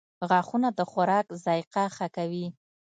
• غاښونه د خوراک ذایقه ښه کوي.